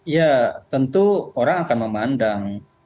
ya tentu orang akan memandang